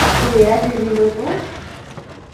¿hubieras vivido tú?